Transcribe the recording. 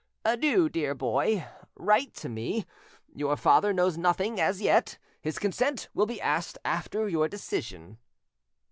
Adieu, dear boy; write to me. Your father knows nothing as yet; his consent will be asked after your decision."